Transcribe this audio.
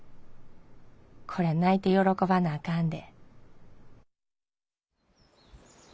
こら泣いて喜ばなあかんで」。